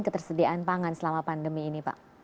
ketersediaan pangan selama pandemi ini pak